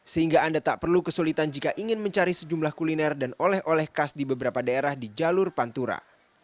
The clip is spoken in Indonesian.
sehingga anda tak perlu kesulitan jika ingin mencari sejumlah kuliner dan oleh oleh khas di beberapa daerah di jalur pantura